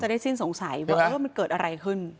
ได้สิ้นสงสัยว่ามันเกิดอะไรขึ้น